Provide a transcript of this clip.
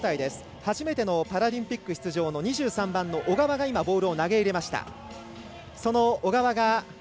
初めてのパラリンピック出場の２３歳の小川がボールを投げ入れました。